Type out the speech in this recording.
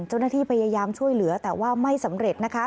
เจ้าหน้าที่พยายามช่วยเหลือแต่ว่าไม่สำเร็จนะคะ